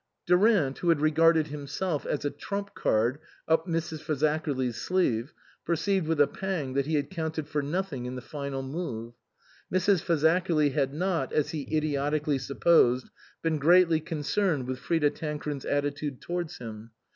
Durant, who had regarded himself as a trump card up Mrs. Fazakerly's sleeve, per ceived with a pang that he had counted for nothing in the final move. Mrs. Fazakerly had not, as he idiotically supposed, been greatly con cerned with Frida Tancred's attitude towards him.